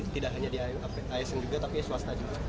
tidak hanya di asn juga tapi swasta juga